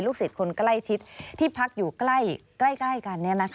สิทธิ์คนใกล้ชิดที่พักอยู่ใกล้กัน